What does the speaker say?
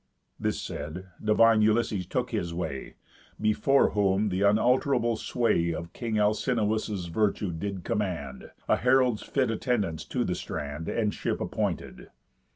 This said, divine Ulysses took his way; Before whom the unalterable sway Of king Alcinous' virtue did command A herald's fit attendance to the strand, And ship appointed.